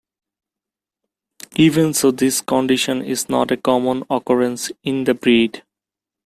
Even so, this condition is not a common occurrence in the breed.